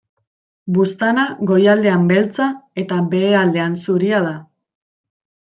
Buztana goialdean beltza, eta behealdean zuria da.